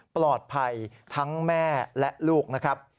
ปลอดภัยทั้งแม่และลูกนะครับ